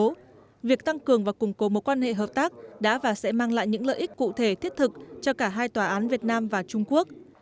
trong đó việc tăng cường và củng cố mối quan hệ hợp tác đã và sẽ mang lại những lợi ích cụ thể thiết thực cho cả hai tòa án việt nam và trung quốc